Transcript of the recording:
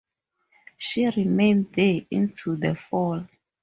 She remained there into the fall.